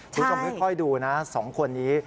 คุณผู้ชมค่อยดูนะ๒คนนี้